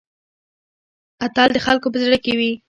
اتل د خلکو په زړه کې وي